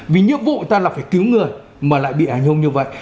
vì nhiệm vụ người ta là phải cứu người mà lại bị hành hùng như vậy